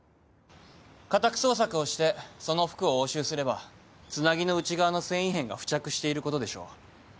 家宅捜索をしてその服を押収すればツナギの内側の繊維片が付着していることでしょう。